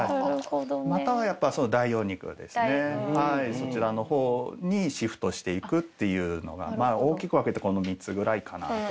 そちらのほうにシフトしていくっていうのがまぁ大きく分けてこの３つくらいかなと。